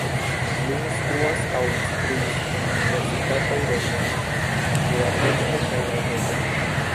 Li instruas aŭ instruis en universitatoj de Vieno, Budapeŝto kaj Bazelo.